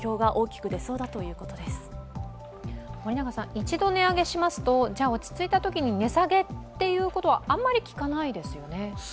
一度値上げしますと、落ち着いたときに値下げというのはあまり聞かないですよね。